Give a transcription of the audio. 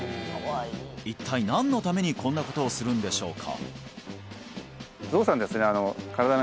一体何のためにこんなことをするんでしょうか？